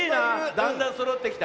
だんだんそろってきた。